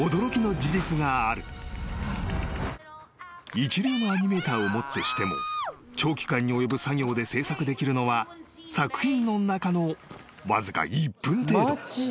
［一流のアニメーターをもってしても長期間に及ぶ作業で制作できるのは作品の中のわずか１分程度］